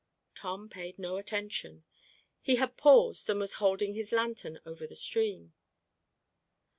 Tom paid no attention. He had paused and was holding his lantern over the stream.